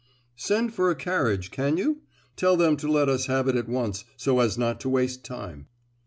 "Send for a carriage—can you? Tell them to let us have it at once, so as not to waste time."